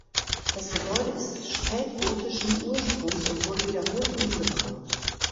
Das Gebäude ist spätgotischen Ursprungs und wurde wiederholt umgebaut.